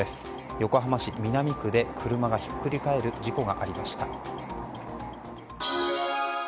横浜市南区で車がひっくり返る事故がありました。